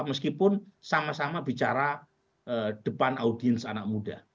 meskipun sama sama bicara depan audiens anak muda